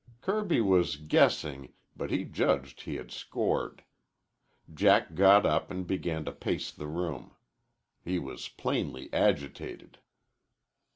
Kirby was guessing, but he judged he had scored. Jack got up and began to pace the room. He was plainly agitated.